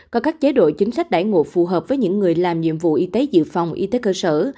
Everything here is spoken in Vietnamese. có các chế độ chính sách đải ngộ phù hợp với những người làm nhiệm vụ y tế dự phòng y tế cơ sở